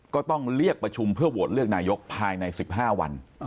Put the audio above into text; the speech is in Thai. ก็ต้องเรียกประชุมเพื่อโหวตเลือกนายกภายใน๑๕วัน